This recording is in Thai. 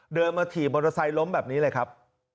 เดินมาถีบมอเตอร์ไซค์ล้มแบบนี้เลยครับ